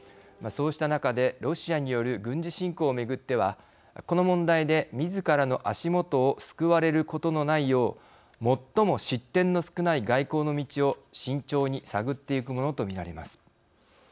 そうした中でロシアによる軍事侵攻をめぐってはこの問題でみずからの足元をすくわれることのないよう最も失点の少ない外交の道を慎重に探ってゆくものとみられます。